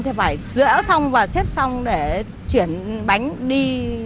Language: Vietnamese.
thì phải dẽo xong và xếp xong để chuyển bánh đi